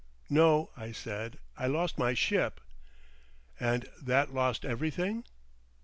"No," I said, "I lost my ship." "And that lost everything?"